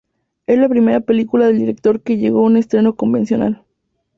Es la primera película del director que llegó a un estreno convencional.